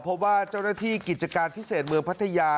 เพราะว่าเจ้าหน้าที่กิจการพิเศษเมืองพัทยา